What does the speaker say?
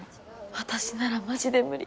私ならマジで無理